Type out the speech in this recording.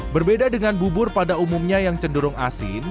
berbeda dengan bubur pada umumnya yang cenderung asin